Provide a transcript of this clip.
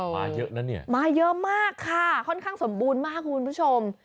มาเยอะนะเนี่ยมาเยอะมากค่ะค่อนข้างสมบูรณ์มากคุณผู้ชม